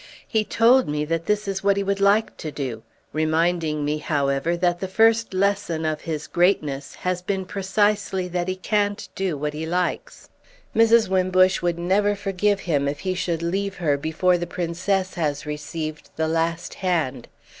He told me that this is what he would like to do; reminding me, however, that the first lesson of his greatness has been precisely that he can't do what he likes. Mrs. Wimbush would never forgive him if he should leave her before the Princess has received the last hand.